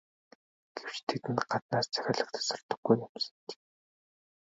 Гэвч тэдэнд гаднаас захиалга тасардаггүй юмсанж.